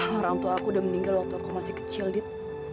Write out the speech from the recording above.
orangtuaku udah meninggal waktu aku masih kecil dit